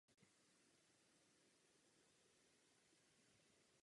Zajímavostí je samostatně stojící zvonice kostela.